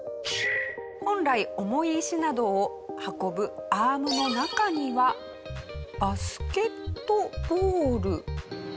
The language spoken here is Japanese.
本来重い石などを運ぶアームの中にはバスケットボール。